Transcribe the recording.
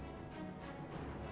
juga mengerahkan kendaraan mobil